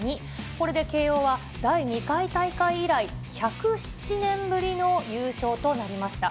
これで慶応は第２回大会以来、１０７年ぶりの優勝となりました。